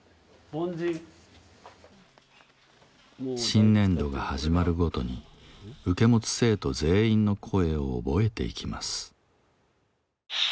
新年度が始まるごとに受け持つ生徒全員の声を覚えていきます。